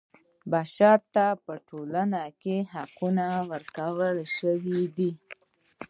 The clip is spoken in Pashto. بشر ته په ټولنه کې حقونه ورکړل شوي دي.